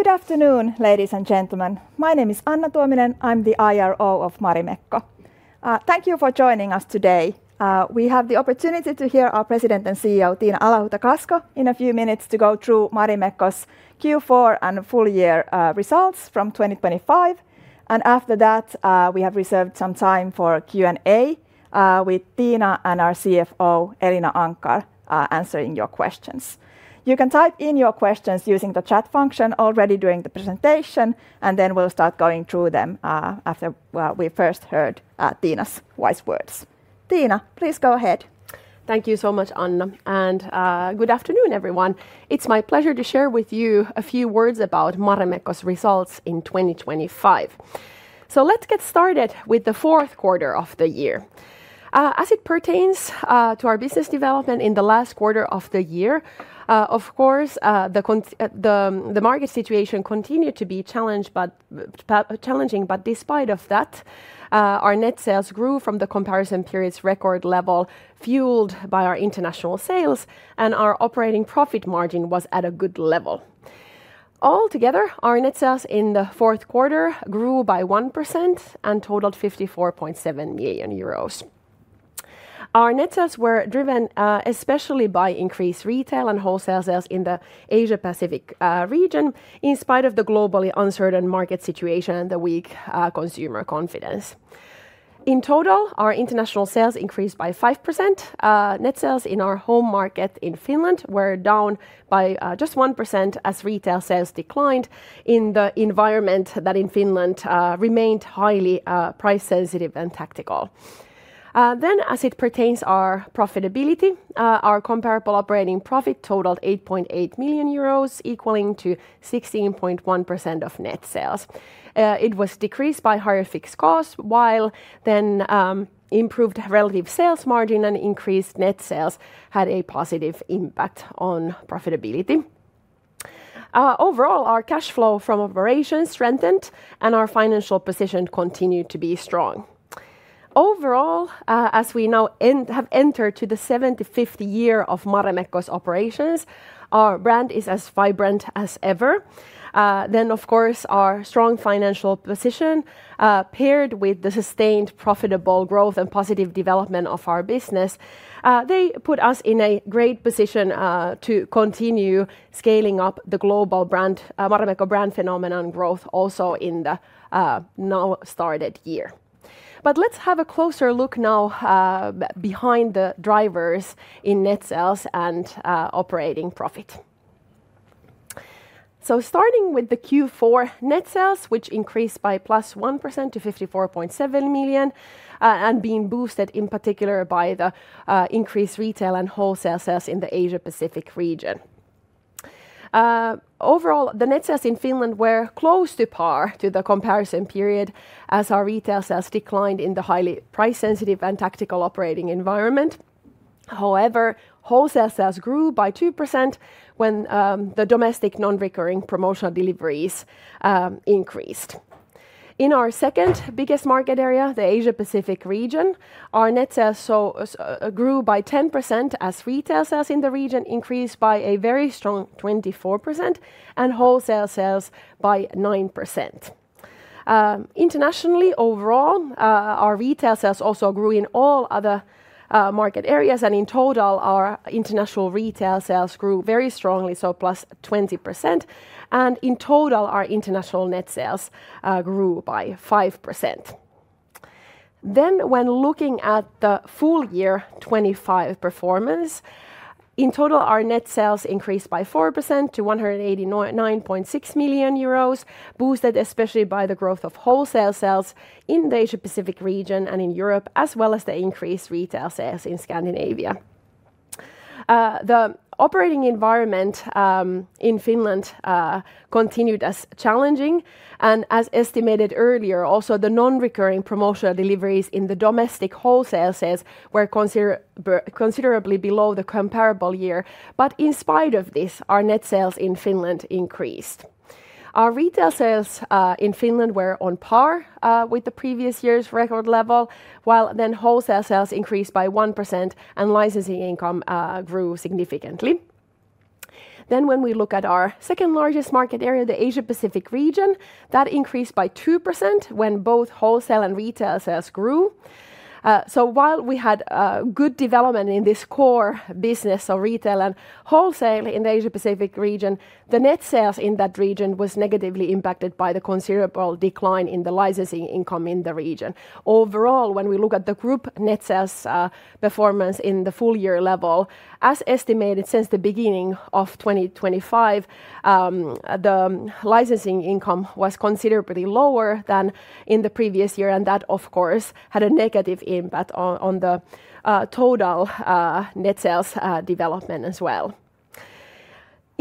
Good afternoon, ladies and gentlemen. My name is Anna Tuominen. I'm the IRO of Marimekko. Thank you for joining us today. We have the opportunity to hear our President and CEO, Tiina Alahuhta-Kasko, in a few minutes to go through Marimekko's Q4 and full year results from 2025. And after that, we have reserved some time for Q&A with Tiina and our CFO, Elina Anckar, answering your questions. You can type in your questions using the chat function already during the presentation, and then we'll start going through them, after, well, we first heard Tiina's wise words. Tiina, please go ahead. Thank you so much, Anna, and good afternoon, everyone. It's my pleasure to share with you a few words about Marimekko's results in 2025. So let's get started with the fourth quarter of the year. As it pertains to our business development in the last quarter of the year, of course, the market situation continued to be challenging, but despite that, our net sales grew from the comparison period's record level, fueled by our international sales, and our operating profit margin was at a good level. Altogether, our net sales in the fourth quarter grew by 1% and totaled 54.7 million euros. Our net sales were driven especially by increased retail and wholesale sales in the Asia Pacific region, in spite of the globally uncertain market situation and the weak consumer confidence. In total, our international sales increased by 5%. Net sales in our home market in Finland were down by just 1%, as retail sales declined in the environment that in Finland remained highly price sensitive and tactical. Then, as it pertains our profitability, our comparable operating profit totaled 8.8 million euros, equaling 16.1% of net sales. It was decreased by higher fixed costs, while then, improved relative sales margin and increased net sales had a positive impact on profitability. Overall, our cash flow from operations strengthened, and our financial position continued to be strong. Overall, as we now have entered to the 75th year of Marimekko's operations, our brand is as vibrant as ever. Then, of course, our strong financial position, paired with the sustained profitable growth and positive development of our business, they put us in a great position, to continue scaling up the global brand, Marimekko brand phenomenon growth also in the, now started year. But let's have a closer look now, behind the drivers in net sales and, operating profit. So starting with the Q4 net sales, which increased by +1% to 54.7 million, and being boosted in particular by the, increased retail and wholesale sales in the Asia Pacific region. Overall, the net sales in Finland were close to par to the comparison period, as our retail sales declined in the highly price sensitive and tactical operating environment. However, wholesale sales grew by 2% when the domestic non-recurring promotional deliveries increased. In our second biggest market area, the Asia Pacific region, our net sales grew by 10%, as retail sales in the region increased by a very strong 24% and wholesale sales by 9%. Internationally, overall, our retail sales also grew in all other market areas, and in total, our international retail sales grew very strongly, so +20%, and in total, our international net sales grew by 5%. Then, when looking at the full year 2025 performance, in total, our net sales increased by 4% to 189.6 million euros, boosted especially by the growth of wholesale sales in the Asia Pacific region and in Europe, as well as the increased retail sales in Scandinavia. The operating environment in Finland continued as challenging and, as estimated earlier, also the non-recurring promotional deliveries in the domestic wholesale sales were considerably below the comparable year. But in spite of this, our net sales in Finland increased. Our retail sales in Finland were on par with the previous year's record level, while then wholesale sales increased by 1% and licensing income grew significantly. Then, when we look at our second largest market area, the Asia Pacific region, that increased by 2% when both wholesale and retail sales grew. So while we had good development in this core business of retail and wholesale in the Asia Pacific region, the net sales in that region was negatively impacted by the considerable decline in the licensing income in the region. Overall, when we look at the group net sales performance in the full year level, as estimated since the beginning of 2025, the licensing income was considerably lower than in the previous year, and that, of course, had a negative impact on the total net sales development as well.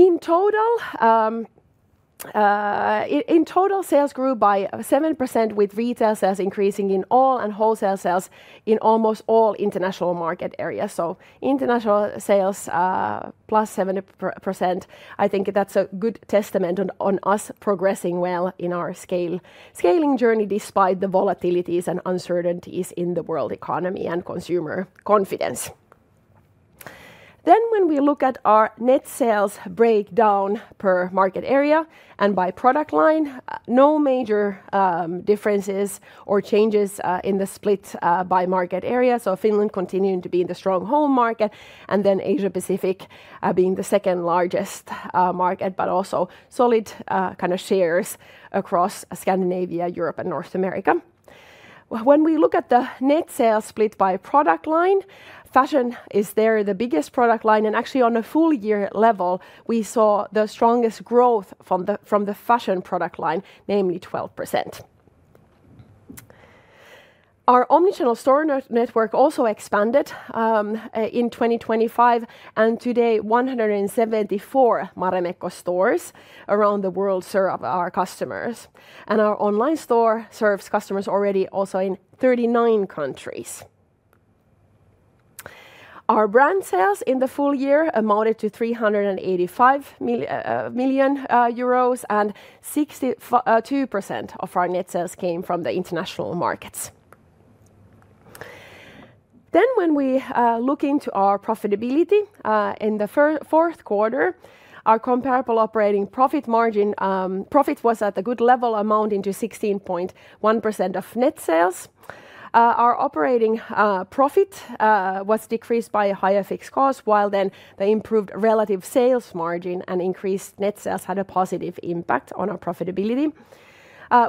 In total, sales grew by 7%, with retail sales increasing in all and wholesale sales in almost all international market areas. So international sales, +7%, I think that's a good testament on us progressing well in our scaling journey, despite the volatilities and uncertainties in the world economy and consumer confidence. Then when we look at our net sales breakdown per market area and by product line, no major differences or changes in the split by market area. So Finland continuing to be the strong home market, and then Asia Pacific being the second-largest market, but also solid kind of shares across Scandinavia, Europe, and North America. When we look at the net sales split by product line, fashion is there, the biggest product line, and actually on a full year level, we saw the strongest growth from the fashion product line, namely 12%. Our omnichannel store network also expanded in 2025, and today, 174 Marimekko stores around the world serve our customers, and our online store serves customers already also in 39 countries. Our brand sales in the full year amounted to 385 million euros, and 62% of our net sales came from the international markets. Then, when we look into our profitability in the fourth quarter, our comparable operating profit margin was at a good level, amounting to 16.1% of net sales. Our operating profit was decreased by a higher fixed cost, while then the improved relative sales margin and increased net sales had a positive impact on our profitability.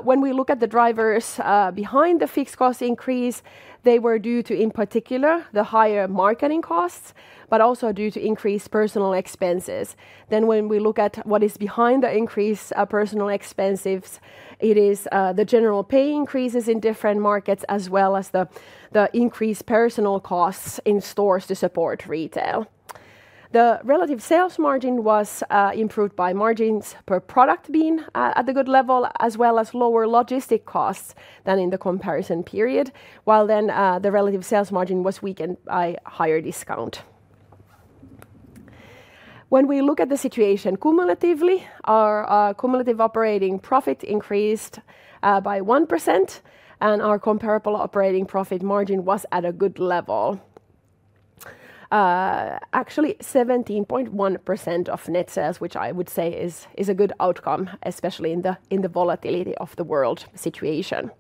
When we look at the drivers behind the fixed cost increase, they were due to, in particular, the higher marketing costs, but also due to increased personnel expenses. Then, when we look at what is behind the increased personnel expenses, it is the general pay increases in different markets, as well as the increased personnel costs in stores to support retail. The relative sales margin was improved by margins per product being at a good level, as well as lower logistics costs than in the comparison period, while then the relative sales margin was weakened by higher discount. When we look at the situation cumulatively, our cumulative operating profit increased by 1%, and our comparable operating profit margin was at a good level. Actually, 17.1% of net sales, which I would say is a good outcome, especially in the volatility of the world situation.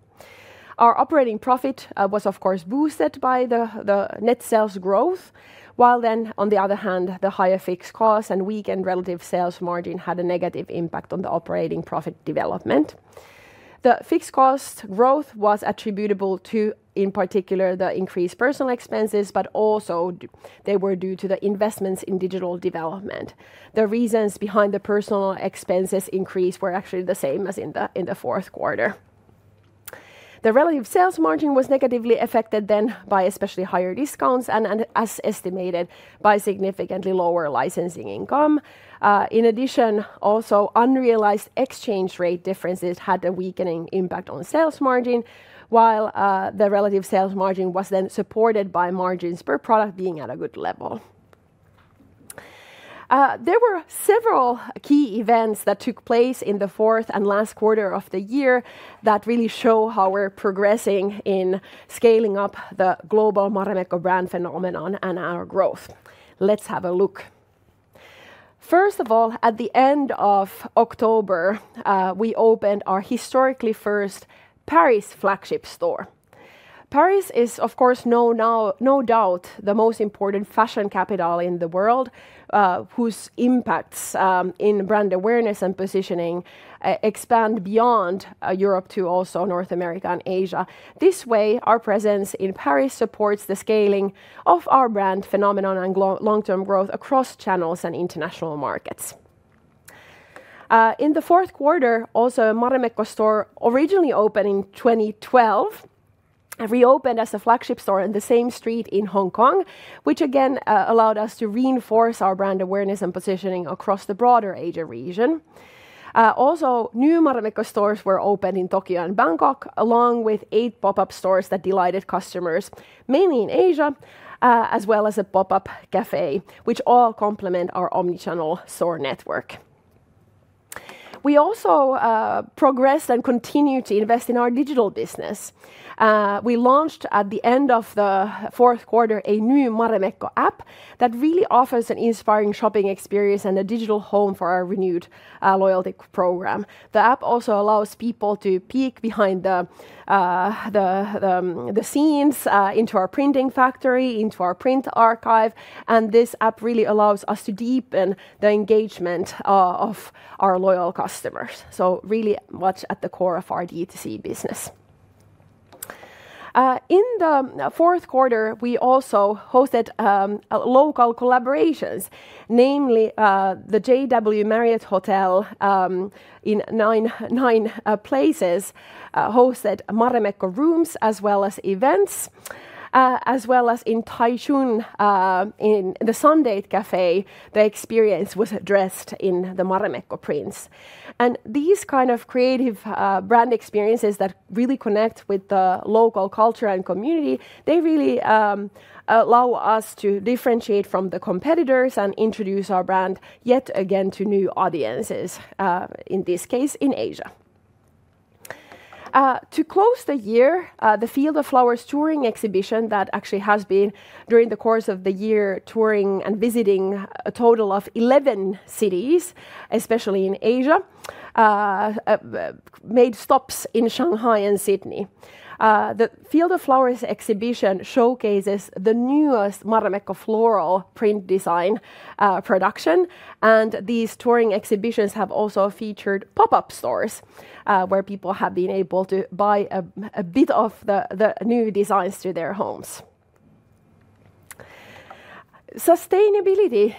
Our operating profit was, of course, boosted by the net sales growth, while then, on the other hand, the higher fixed costs and weakened relative sales margin had a negative impact on the operating profit development. The fixed cost growth was attributable to, in particular, the increased personal expenses, but also they were due to the investments in digital development. The reasons behind the personnel expenses increase were actually the same as in the fourth quarter. The relative sales margin was negatively affected then by especially higher discounts and as estimated, by significantly lower licensing income. In addition, also unrealized exchange rate differences had a weakening impact on sales margin, while the relative sales margin was then supported by margins per product being at a good level. There were several key events that took place in the fourth and last quarter of the year that really show how we're progressing in scaling up the global Marimekko brand phenomenon and our growth. Let's have a look. First of all, at the end of October, we opened our historically first Paris flagship store. Paris is, of course, no doubt, the most important fashion capital in the world, whose impacts in brand awareness and positioning expand beyond Europe to also North America and Asia. This way, our presence in Paris supports the scaling of our brand phenomenon and long-term growth across channels and international markets. In the fourth quarter, also, Marimekko store, originally opened in 2012, reopened as a flagship store in the same street in Hong Kong, which again allowed us to reinforce our brand awareness and positioning across the broader Asia region. Also, new Marimekko stores were opened in Tokyo and Bangkok, along with eight pop-up stores that delighted customers, mainly in Asia, as well as a pop-up cafe, which all complement our omnichannel store network. We also progressed and continued to invest in our digital business. We launched, at the end of the fourth quarter, a new Marimekko app that really offers an inspiring shopping experience and a digital home for our renewed loyalty program. The app also allows people to peek behind the scenes into our printing factory, into our print archive, and this app really allows us to deepen the engagement of our loyal customers, so really much at the core of our D2C business. In the fourth quarter, we also hosted local collaborations, namely the JW Marriott hotel in 9 places hosted Marimekko rooms as well as events, as well as in Taichung in the Sundate Café, the experience was dressed in the Marimekko prints. And these kind of creative brand experiences that really connect with the local culture and community, they really allow us to differentiate from the competitors and introduce our brand yet again to new audiences, in this case, in Asia. To close the year, the Field of Flowers touring exhibition that actually has been, during the course of the year, touring and visiting a total of 11 cities, especially in Asia, made stops in Shanghai and Sydney. The Field of Flowers exhibition showcases the newest Marimekko floral print design, production, and these touring exhibitions have also featured pop-up stores, where people have been able to buy a bit of the new designs to their homes. Sustainability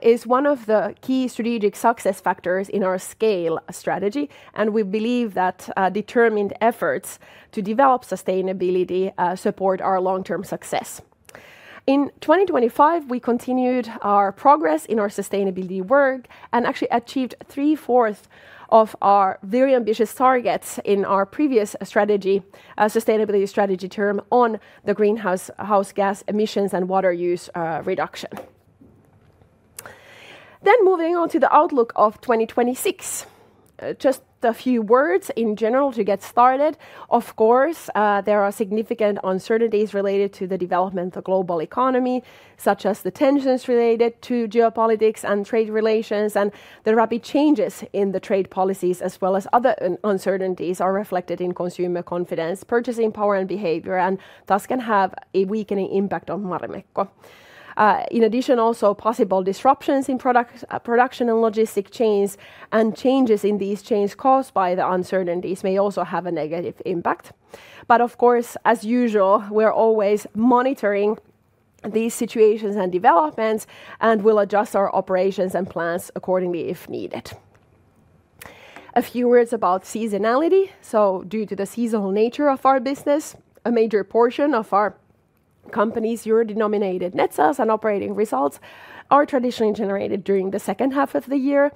is one of the key strategic success factors in our scale strategy, and we believe that determined efforts to develop sustainability support our long-term success. In 2025, we continued our progress in our sustainability work and actually achieved three-fourths of our very ambitious targets in our previous strategy, sustainability strategy term on the greenhouse gas emissions and water use, reduction. Then moving on to the outlook of 2026. Just a few words in general to get started. Of course, there are significant uncertainties related to the development of the global economy, such as the tensions related to geopolitics and trade relations, and the rapid changes in the trade policies, as well as other uncertainties, are reflected in consumer confidence, purchasing power and behavior, and thus can have a weakening impact on Marimekko. In addition, also, possible disruptions in product, production and logistics chains, and changes in these chains caused by the uncertainties may also have a negative impact. But of course, as usual, we're always monitoring these situations and developments and will adjust our operations and plans accordingly if needed. A few words about seasonality. So due to the seasonal nature of our business, a major portion of our company's EUR-denominated net sales and operating results are traditionally generated during the second half of the year.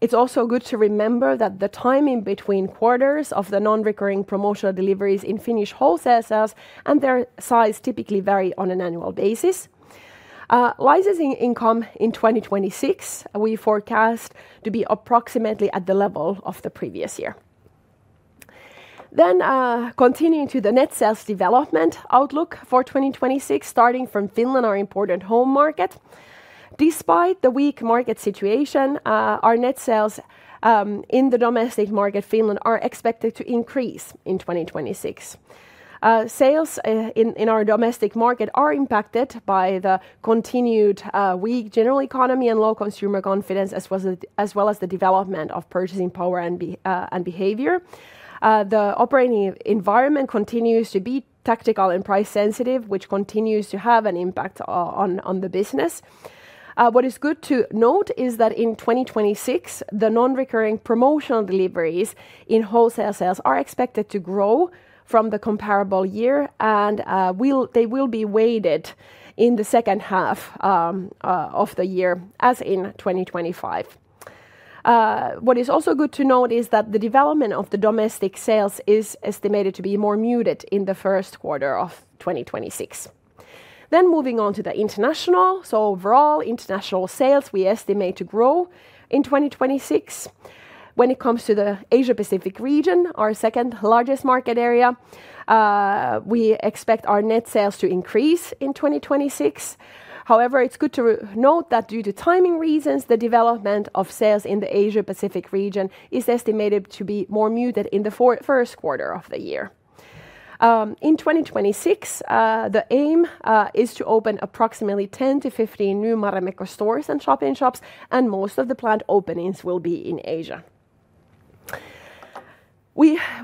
It's also good to remember that the timing between quarters of the non-recurring promotional deliveries in Finnish wholesale sales and their size typically vary on an annual basis. Licensing income in 2026, we forecast to be approximately at the level of the previous year. Then, continuing to the net sales development outlook for 2026, starting from Finland, our important home market. Despite the weak market situation, our net sales, in the domestic market, Finland, are expected to increase in 2026. Sales in our domestic market are impacted by the continued weak general economy and low consumer confidence, as well as the development of purchasing power and behavior. The operating environment continues to be tactical and price sensitive, which continues to have an impact on the business. What is good to note is that in 2026, the non-recurring promotional deliveries in wholesale sales are expected to grow from the comparable year, and they will be weighted in the second half of the year, as in 2025. What is also good to note is that the development of the domestic sales is estimated to be more muted in the first quarter of 2026. Moving on to the international. Overall, international sales, we estimate to grow in 2026. When it comes to the Asia-Pacific region, our second largest market area, we expect our net sales to increase in 2026. However, it's good to note that due to timing reasons, the development of sales in the Asia-Pacific region is estimated to be more muted in the first quarter of the year. In 2026, the aim is to open approximately 10-15 new Marimekko stores and shop-in-shops, and most of the planned openings will be in Asia.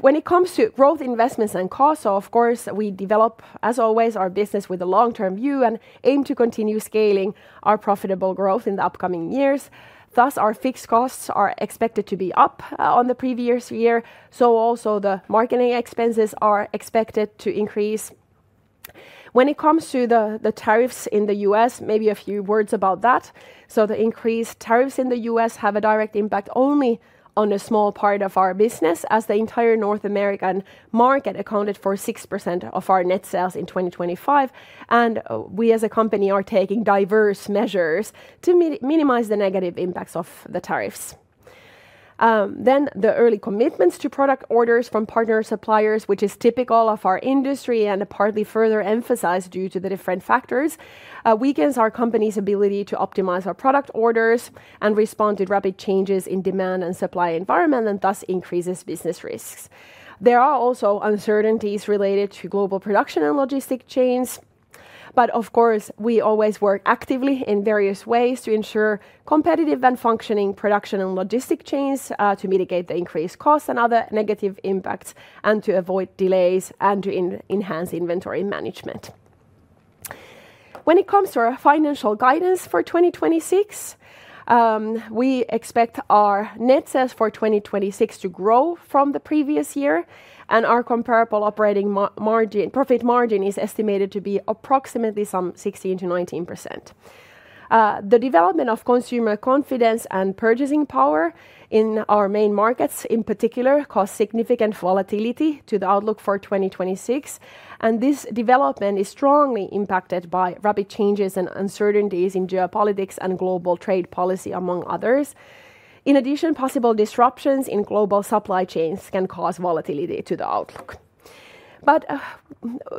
When it comes to growth, investments, and costs, of course, we develop, as always, our business with a long-term view and aim to continue scaling our profitable growth in the upcoming years. Thus, our fixed costs are expected to be up on the previous year, so also the marketing expenses are expected to increase. When it comes to the tariffs in the U.S., maybe a few words about that. So the increased tariffs in the U.S. have a direct impact only on a small part of our business, as the entire North American market accounted for 6% of our net sales in 2025, and we as a company are taking diverse measures to minimize the negative impacts of the tariffs. Then the early commitments to product orders from partner suppliers, which is typical of our industry and partly further emphasized due to the different factors, weakens our company's ability to optimize our product orders and respond to rapid changes in demand and supply environment, and thus increases business risks. There are also uncertainties related to global production and logistics chains, but of course, we always work actively in various ways to ensure competitive and functioning production and logistics chains, to mitigate the increased costs and other negative impacts, and to avoid delays, and to enhance inventory management. When it comes to our financial guidance for 2026, we expect our net sales for 2026 to grow from the previous year, and our comparable operating profit margin is estimated to be approximately 16%-19%. The development of consumer confidence and purchasing power in our main markets, in particular, causes significant volatility to the outlook for 2026, and this development is strongly impacted by rapid changes and uncertainties in geopolitics and global trade policy, among others. In addition, possible disruptions in global supply chains can cause volatility to the outlook....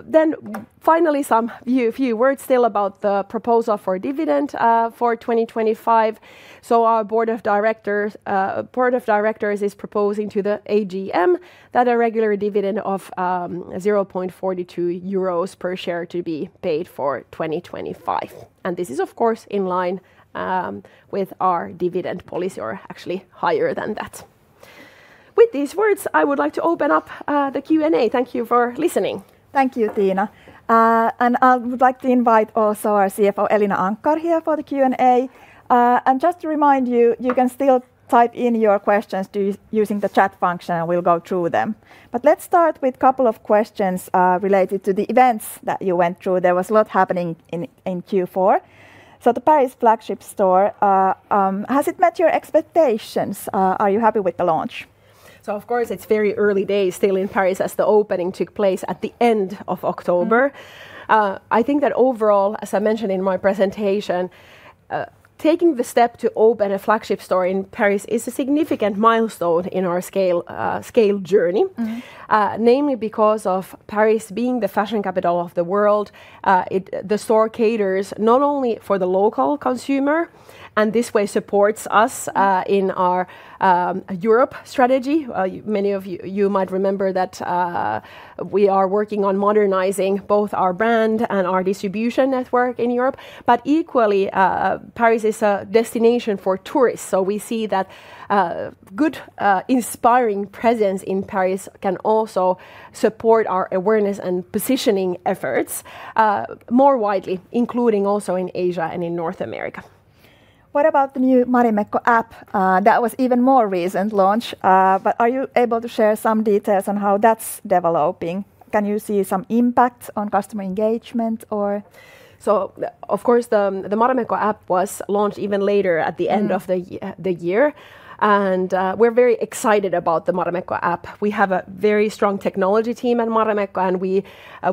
Then finally, a few words still about the proposal for dividend for 2025. Our board of directors is proposing to the AGM that a regular dividend of 0.42 euros per share to be paid for 2025, and this is, of course, in line with our dividend policy, or actually higher than that. With these words, I would like to open up the Q&A. Thank you for listening. Thank you, Tiina. And I would like to invite also our CFO, Elina Anckar, here for the Q&A. And just to remind you, you can still type in your questions using the chat function, and we'll go through them. But let's start with couple of questions, related to the events that you went through. There was a lot happening in Q4. So the Paris flagship store, has it met your expectations? Are you happy with the launch? So, of course, it's very early days still in Paris, as the opening took place at the end of October. Mm-hmm. I think that overall, as I mentioned in my presentation, taking the step to open a flagship store in Paris is a significant milestone in our scale journey. Mm-hmm. Namely because of Paris being the fashion capital of the world, The store caters not only for the local consumer, and this way supports us, in our Europe strategy. many of you, you might remember that, we are working on modernizing both our brand and our distribution network in Europe, but equally, Paris is a destination for tourists. So we see that, good, inspiring presence in Paris can also support our awareness and positioning efforts, more widely, including also in Asia and in North America. What about the new Marimekko app? That was even more recent launch. But are you able to share some details on how that's developing? Can you see some impact on customer engagement or- So of course, the Marimekko app was launched even later- Mm... at the end of the year, and we're very excited about the Marimekko app. We have a very strong technology team at Marimekko, and we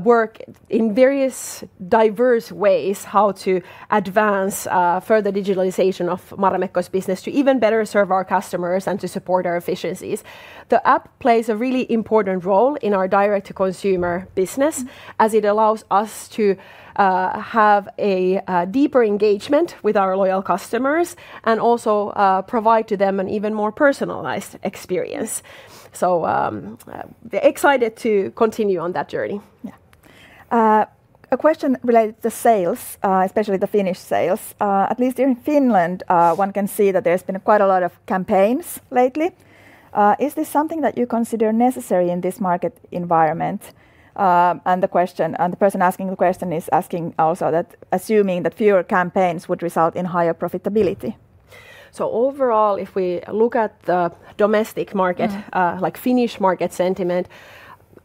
work in various diverse ways how to advance further digitalization of Marimekko's business to even better serve our customers and to support our efficiencies. The app plays a really important role in our direct-to-consumer business- Mm... as it allows us to have a deeper engagement with our loyal customers and also provide to them an even more personalized experience. So, excited to continue on that journey. Yeah. A question related to sales, especially the Finnish sales. At least in Finland, one can see that there's been quite a lot of campaigns lately. Is this something that you consider necessary in this market environment? And the question, and the person asking the question is asking also that assuming that fewer campaigns would result in higher profitability. Overall, if we look at the domestic market- Mm... like Finnish market sentiment,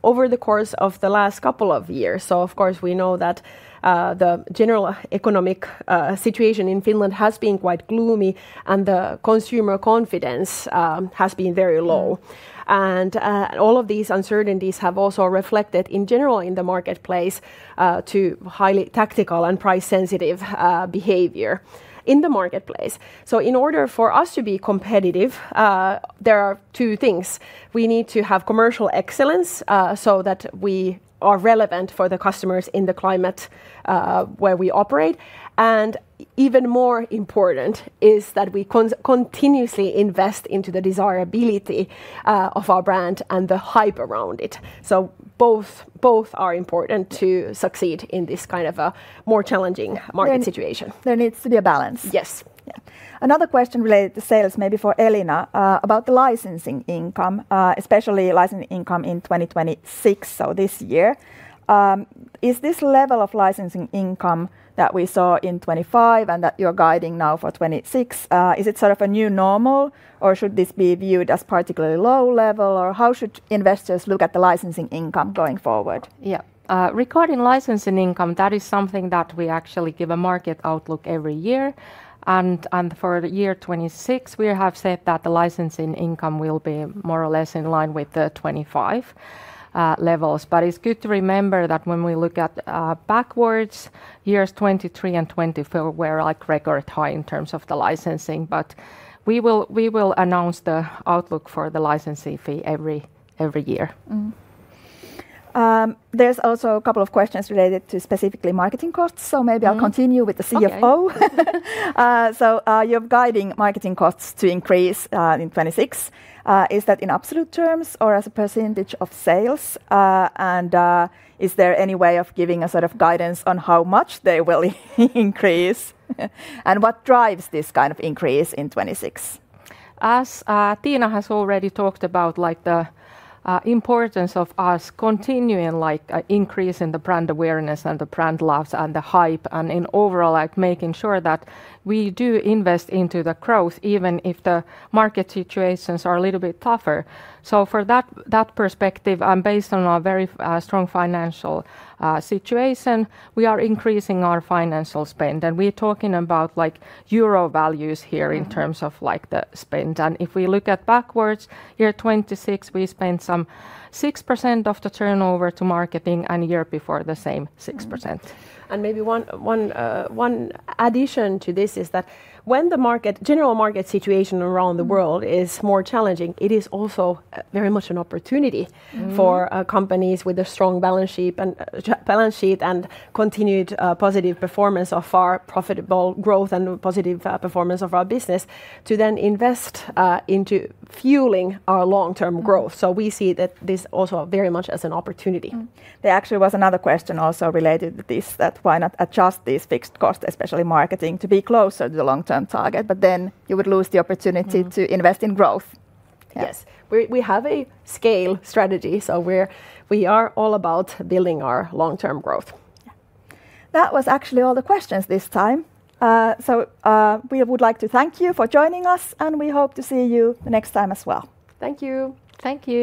over the course of the last couple of years, so of course, we know that, the general economic situation in Finland has been quite gloomy, and the consumer confidence has been very low. Mm. All of these uncertainties have also reflected, in general, in the marketplace to highly tactical and price-sensitive behavior in the marketplace. So in order for us to be competitive, there are two things. We need to have commercial excellence, so that we are relevant for the customers in the climate where we operate, and even more important is that we continuously invest into the desirability of our brand and the hype around it. So both are important to succeed in this kind of a more challenging market situation. There needs to be a balance. Yes. Yeah. Another question related to sales, maybe for Elina, about the licensing income, especially licensing income in 2026, so this year. Is this level of licensing income that we saw in 2025 and that you're guiding now for 2026, is it sort of a new normal, or should this be viewed as particularly low level, or how should investors look at the licensing income going forward? Yeah. Regarding Licensing income, that is something that we actually give a market outlook every year, and, and for year 2026, we have said that the Licensing income will be more or less in line with the 2025 levels. But it's good to remember that when we look at backwards, years 2023 and 2024 were, like, record high in terms of the Licensing. But we will, we will announce the outlook for the Licensing fee every, every year. Mm-hmm. There's also a couple of questions related to specifically marketing costs- Mm. Maybe I'll continue with the CFO. Okay. So, you're guiding marketing costs to increase in 2026. Is that in absolute terms or as a percentage of sales? Is there any way of giving a sort of guidance on how much they will increase? What drives this kind of increase in 2026? As, Tiina has already talked about, like, the importance of us continuing, like, increasing the brand awareness and the brand loves and the hype, and in overall, like, making sure that we do invest into the growth, even if the market situations are a little bit tougher. So for that perspective, and based on our very strong financial situation, we are increasing our financial spend, and we're talking about, like, euro values here- Mm... in terms of, like, the spend. And if we look at backwards, year 2026, we spent some 6% of the turnover to marketing, and year before, the same, 6%. Mm-hmm. Maybe one addition to this is that when the general market situation around the world- Mm... is more challenging, it is also very much an opportunity- Mm ...for companies with a strong balance sheet and continued positive performance of our profitable growth and positive performance of our business, to then invest into fueling our long-term growth. Mm. So we see that this also very much as an opportunity. Mm. There actually was another question also related to this, that why not adjust this fixed cost, especially marketing, to be closer to the long-term target, but then you would lose the opportunity- Mm... to invest in growth? Yes. Yes. We have a scale strategy, so we are all about building our long-term growth. Yeah. That was actually all the questions this time. So, we would like to thank you for joining us, and we hope to see you next time as well. Thank you. Thank you.